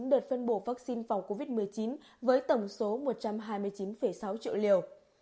đợt phân bổ vaccine phòng covid một mươi chín với tổng số một trăm hai mươi chín sáu triệu liều